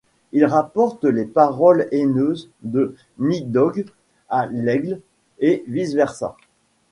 Il rapporte les paroles haineuses de Nídhögg à l'aigle, et vice-versa.